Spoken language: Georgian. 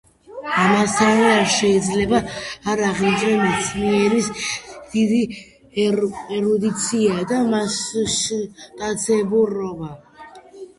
ამასთანავე არ შეიძლება არ აღინიშნოს მეცნიერის დიდი ერუდიცია და მასშტაბურობა.